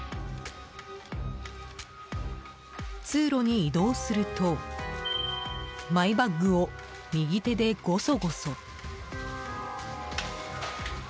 通路に移動するとマイバッグを右手でごそごそ。